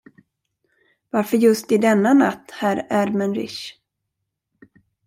Varför just i denna natt, herr Ermenrich?